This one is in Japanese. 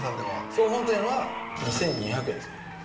総本店は２２００円です。